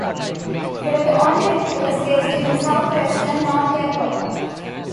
They were the only reporters based in southwestern North Dakota.